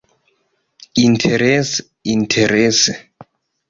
Interese, interese.